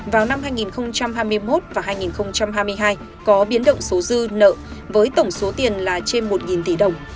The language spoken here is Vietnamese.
vào năm hai nghìn hai mươi một và hai nghìn hai mươi hai có biến động số dư nợ với tổng số tiền là trên một tỷ đồng